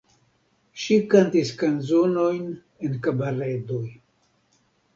Ŝi kantis kanzonojn en kabaredoj.